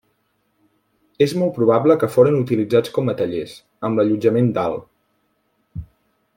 És molt probable que foren utilitzats com a tallers, amb l'allotjament dalt.